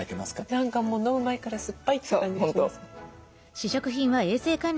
何かもう飲む前から酸っぱいって感じがします。